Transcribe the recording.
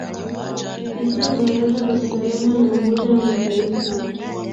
kupitia baraza la usalama la umoja wa mataifa